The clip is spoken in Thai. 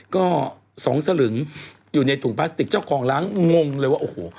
ก็สองสลึงอยู่ในถุงพลาสติกเจ้าของร้านงงเลยว่าโอ้โห